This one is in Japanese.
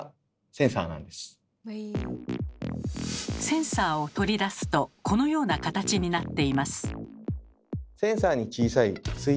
センサーを取り出すとこのような形になっています。